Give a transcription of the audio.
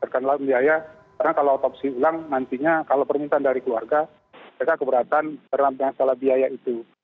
karena kalau atopsi ulang nantinya kalau permintaan dari keluarga mereka keberatan karena penyala biaya itu